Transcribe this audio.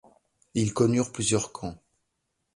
Ils connurent plusieurs camps.